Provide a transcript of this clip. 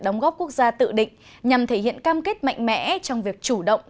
đóng góp quốc gia tự định nhằm thể hiện cam kết mạnh mẽ trong việc chủ động